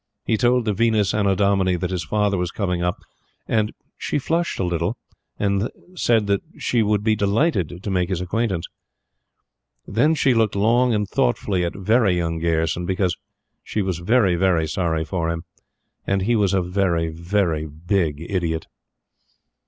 He told the Venus Annodomini that his father was coming up, and she flushed a little and said that she should be delighted to make his acquaintance. Then she looked long and thoughtfully at "Very Young" Gayerson; because she was very, very sorry for him, and he was a very, very big idiot.